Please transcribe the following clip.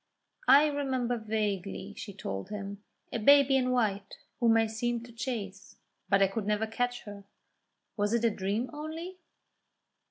"I remember vaguely," she told him, "a baby in white whom I seemed to chase, but I could never catch her. Was it a dream only?"